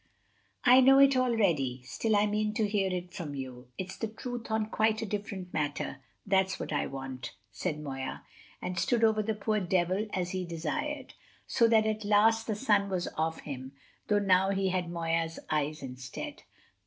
I know it already. Still I mean to hear it from you. It's the truth on quite a different matter; that's what I want," said Moya, and stood over the poor devil as he desired, so that at last the sun was off him, though now he had Moya's eyes instead.